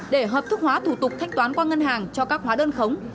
để hợp thức hóa thủ tục thanh toán qua ngân hàng cho các hóa đơn khống